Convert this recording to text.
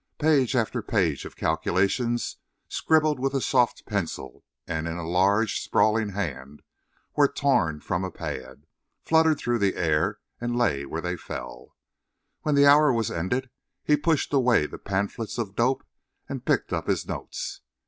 Page after page of calculations scribbled with a soft pencil and in a large, sprawling hand, were torn from a pad, fluttered through the air and lay where they fell. When the hour was ended he pushed away the pamphlets of "dope" and picked up his notes.